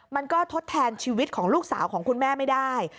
มันก็ทดแทนชีวิตของลูกสาวของคุณแม่ไม่ได้